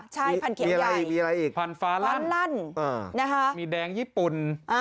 ใช่พันเกลียวใยมีอะไรอีกฟ้านฟานนะฮะมีแดงญี่ปุ่น